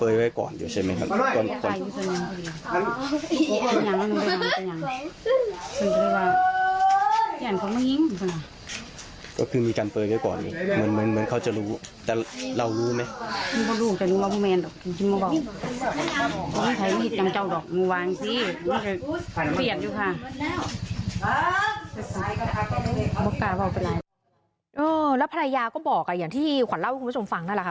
แล้วภรรยาก็บอกอย่างที่ขวัญเล่าให้คุณผู้ชมฟังนั่นแหละค่ะ